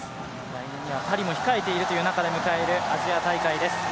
来年にはパリも控えているという中で迎えるアジア大会です。